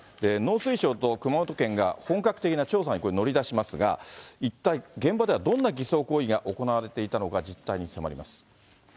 農水省と熊本県が本格的な調査にこれ、乗り出しますが、一体現場ではどんな偽装行為が行われていたのか、実態に迫ります。